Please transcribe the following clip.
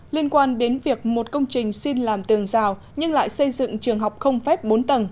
liên quan đến việc một công trình xin làm tường rào nhưng lại xây dựng trường học không phép bốn tầng